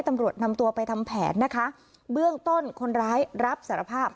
ตำรวจนำตัวไปทำแผนนะคะเบื้องต้นคนร้ายรับสารภาพ